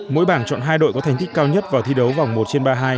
mỗi bảng chọn hai đội có thành tích cao nhất vào thi đấu vòng một trên ba mươi hai